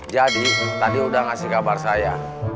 jadi tadi udah ngasih kabar saya